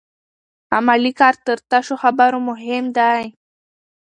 عملي کار تر تشو خبرو مهم دی.